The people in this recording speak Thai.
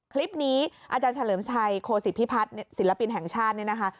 คลิปนี้อาจารย์เฉลิมชัยโคศิพิพัฒน์ศิลปินแห่งชาติเนี่ยนะคะ